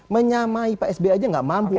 menyamai rpsb aja nggak mampu